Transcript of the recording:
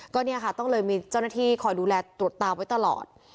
ก็ต้องเลยมีเจ้าหน้าที่คอยดูแลตรวจตามไว้ตลอด